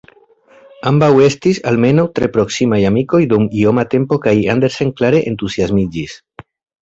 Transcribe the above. Ambaŭ estis, almenaŭ, tre proksimaj amikoj dum ioma tempo kaj Andersen klare entuziasmiĝis.